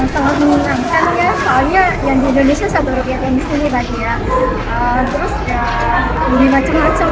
ketika di indonesia kegiatan ini sudah berlangsung di korea selatan dan jepang